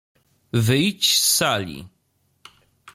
— Wyjdź z sali!